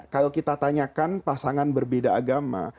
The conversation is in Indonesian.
kalau kita tanyakan pasangan berbeda agama